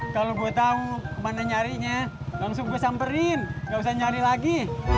kalau gue tahu mana nyarinya langsung gue samperin gak usah nyari lagi